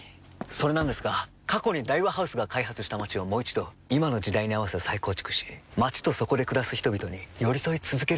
それなんですが過去に大和ハウスが開発した街をもう一度今の時代に合わせ再構築し街とそこで暮らす人々に寄り添い続けるという試みなんです。